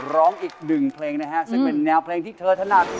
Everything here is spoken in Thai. ร้องอีกหนึ่งเพลงนะฮะซึ่งเป็นแนวเพลงที่เธอถนัด